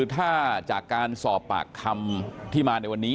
ที่มันสอบปากคำที่มาในวันนี้